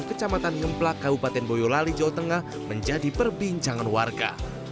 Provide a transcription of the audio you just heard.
kecamatan ngemplak kabupaten boyolali jawa tengah menjadi perbincangan warga